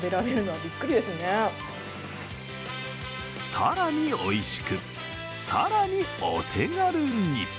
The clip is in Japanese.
更においしく、更にお手軽に。